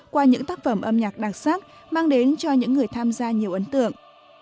qua những tác phẩm âm nhạc đặc sắc mang đến cho những người tham gia nhiều ấn tượng